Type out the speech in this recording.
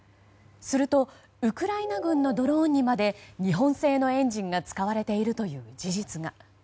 すると、ウクライナ軍のドローンにまで日本製のエンジンが使われているという事実が。